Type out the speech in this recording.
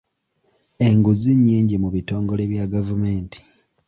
Enguzi nnyingi mu bitongole bya gavumenti.